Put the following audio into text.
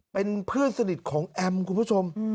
เป็นเพื่อนสนิทของแอมคุณผู้ชม